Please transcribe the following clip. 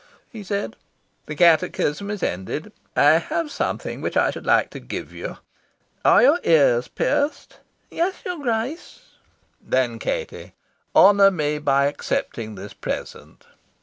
he said. "The catechism is ended. I have something which I should like to give you. Are your ears pierced?" "Yes, your Grace." "Then, Katie, honour me by accepting this present."